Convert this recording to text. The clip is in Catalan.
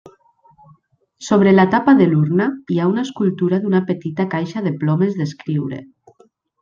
Sobre la tapa de l'urna hi ha una escultura d'una petita caixa de plomes d'escriure.